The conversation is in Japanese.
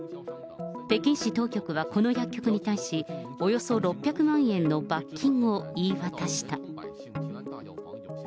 北京市当局はこの薬局に対し、およそ６００万円の罰金を言い渡した。